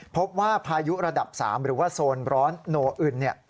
พบว่าพายุระดับ๓หรือว่าโซนร้อนโนอึนเนี่ย